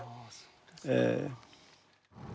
ええ。